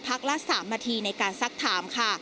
พักละ๓นาทีในการสักถาม